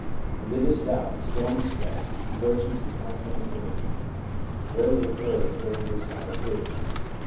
Religious doubt, storm and stress, conversions and spontaneous awakenings rarely occur during this later period.